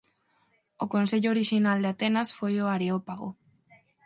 O consello orixinal de Atenas foi o Areópago.